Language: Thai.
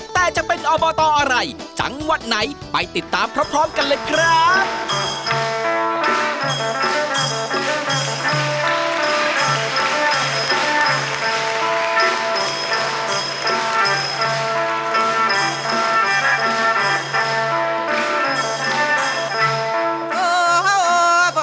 แต่จะเป็นอบตอะไรจังหวัดไหนไปติดตามพร้อมกันเลยครับ